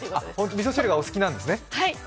みそ汁がお好きなんですね。